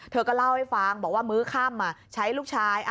เธอก็เล่าให้ฟังบอกว่ามื้อค่ำใช้ลูกชาย